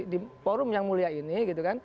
di forum yang mulia ini